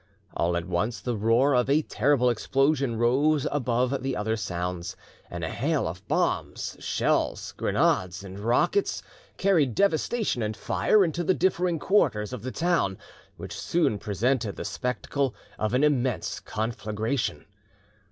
All at once the roar of a terrible explosion rose above the other sounds, and a hail of bombs, shells, grenade's, and rockets carried devastation and fire into the different quarters of the town, which soon presented the spectacle of an immense conflagration.